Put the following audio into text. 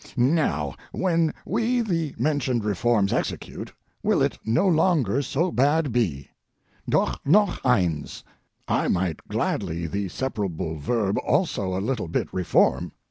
Now, when we the mentioned reforms execute, will it no longer so bad be. Doch noch eins. I might gladly the separable verb also a little bit reform.